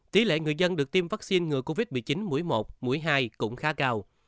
tỷ lệ người dân được tiêm vaccine ngừa covid một mươi chín mũi một mũi hai cũng khá cao